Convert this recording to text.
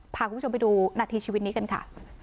พาคุณผู้ชมไปดูนาทีชีวิตนี้กันค่ะ